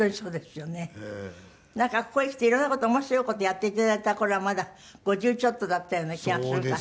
なんかここへ来て色んな事面白い事やって頂いた頃はまだ５０ちょっとだったような気がするから。